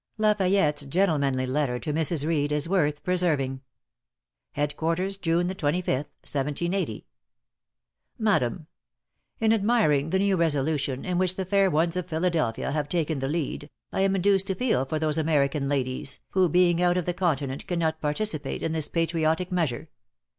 La Fayette's gentlemanly letter to Mrs. Reed is worth preserving. Head Quarters, June the 25th, 1780. Madam, In admiring the new resolution, in which the fair ones of Philadelphia have taken the lead, I am induced to feel for those American ladies, who being out of the Continent cannot participate in this patriotic measure.